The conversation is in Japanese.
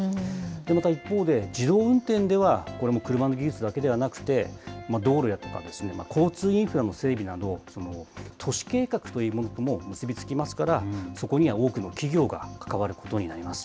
また一方で、自動運転では、これも車の技術だけではなくて、道路だとか交通インフラの整備など、都市計画というものとも結び付きますから、そこには多くの企業が関わることになります。